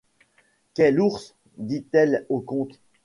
Quel ours ! dit-elle au comte.